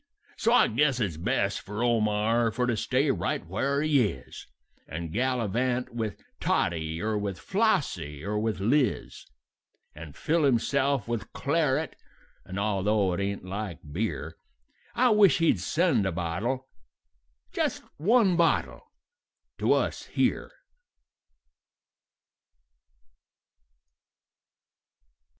"So I guess it's best for Omar for to stay right where he is, And gallivant with Tottie, or with Flossie, or with Liz; And fill himself with claret, and, although it ain't like beer, I wish he'd send a bottle just one bottle to us here."